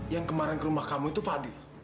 yang kemarin ke rumah kamu itu fadi